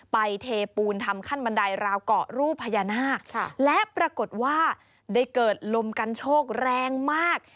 เทปูนทำขั้นบันไดราวเกาะรูปพญานาคและปรากฏว่าได้เกิดลมกันโชคแรงมาก